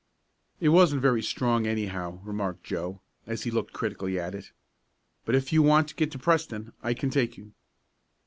"It wasn't very strong, anyhow," remarked Joe, as he looked critically at it. "But if you want to get to Preston I can take you."